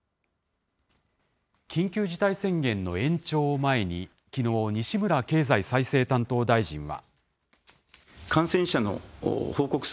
緊急事態宣言の延長を前に、きのう、西村経済再生担当大臣は。